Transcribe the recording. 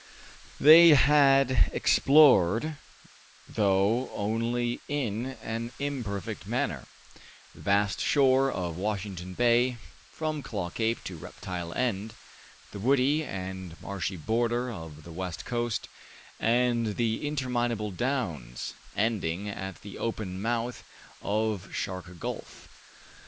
They had explored, though only in an imperfect manner, the vast shore of Washington Bay from Claw Cape to Reptile End, the woody and marshy border of the west coast, and the interminable downs, ending at the open mouth of Shark Gulf.